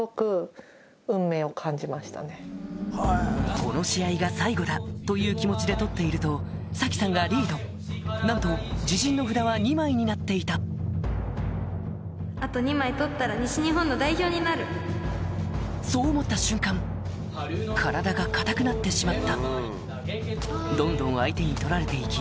「この試合が最後だ」という気持ちで取っていると早紀さんがリードなんと自陣の札は２枚になっていたそう思った瞬間体が硬くなってしまったどんどん相手に取られて行き